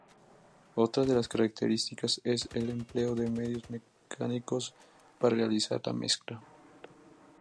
Otra de las características es el empleo de medios mecánicos para realizar la mezcla.